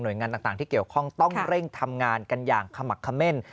โดยงานต่างที่เกี่ยวข้องต้องเร่งทำงานกันอย่างขมักเขม่น